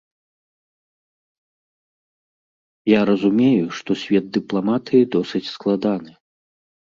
Я разумею, што свет дыпламатыі досыць складаны.